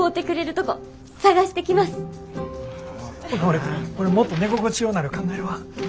これもっと寝心地ようなるか考えるわ。